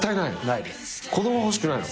子供欲しくないの？